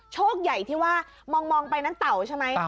โชคใหญ่ที่ว่ามองไปนั้นเต่าใช่ไหม